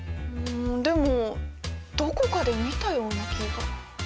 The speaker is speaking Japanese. でもどこかで見たような気が。